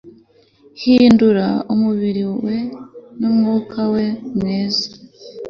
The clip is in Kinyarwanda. hindura umubiri we numwuka we mwiza